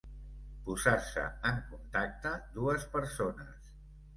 Posar-se en contacte dues persones.